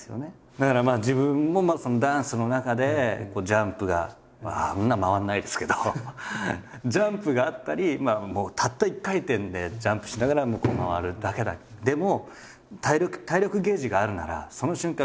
だから自分もダンスの中でジャンプがあんなは回らないですけどジャンプがあったりもうたった１回転でジャンプしながら回るだけでも結構減りますよね。